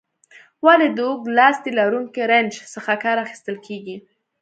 ولې د اوږد لاستي لرونکي رنچ څخه کار اخیستل کیږي؟